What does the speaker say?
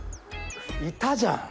いたじゃん。